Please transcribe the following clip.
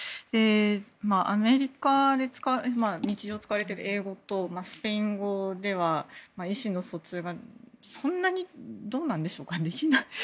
アメリカで日常使われている英語とスペイン語では意思の疎通がそんなにどうなんでしょうかね？